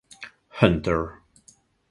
Hunter.